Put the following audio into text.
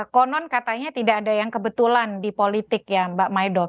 konon katanya tidak ada yang kebetulan di politik ya mbak maido